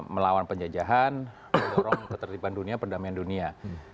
melawan penjajahan mendorong ketertiban dunia perdamaian dunia